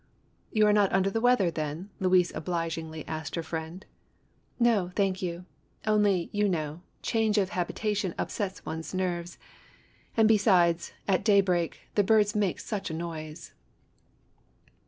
"You are not under the weather then?" Louise obligingly asked her friend. " No, thank you. Only, you know, change of habita IN THE VOLUBILIS BOWER. 65 tion upsets one's nerves. And, besides, at daybreak, the birds made sucli a noise